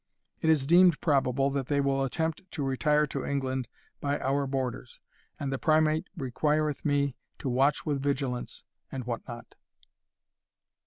It is deemed probable that they will attempt to retire to England by our Borders, and the Primate requireth me to watch with vigilance, and what not."